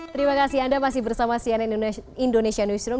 terima kasih anda masih bersama sian indonesian newsroom